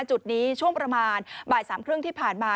จุดนี้ช่วงประมาณบ่ายสามครึ่งที่ผ่านมา